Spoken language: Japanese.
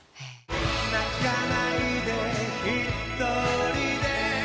「泣かないでひとりで」